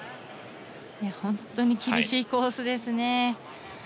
本当に厳しいコースですね。